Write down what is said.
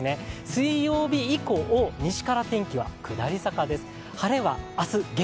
水曜日以降、西から天気は下り坂です。